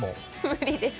無理です。